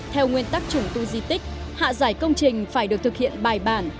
theo nguyên tắc trùng tu di tích hạ giải công trình phải được thực hiện bài bản